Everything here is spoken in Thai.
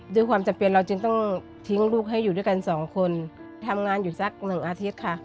ด้วยความจำเป็นเราจึงต้องทิ้งลูกให้อยู่ด้วยกันสองคนทำงานอยู่สักหนึ่งอาทิตย์ค่ะ